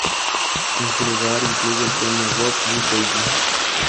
En su lugar, incluye el tema "Rock Me Baby".